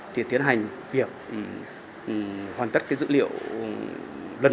thì tiến hành việc hoàn tất dữ liệu lần một